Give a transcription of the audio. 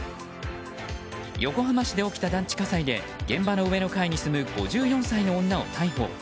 横浜市で起きた団地火災で現場の上の階に住む５４歳の女を逮捕。